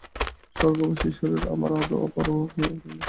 স্বর্গবাসী ঈশ্বরের আমরা আদৌ পরোয়া করি না।